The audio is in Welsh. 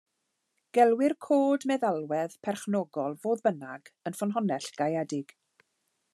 Gelwir cod meddalwedd perchnogol, fodd bynnag, yn ffynhonnell gaeedig.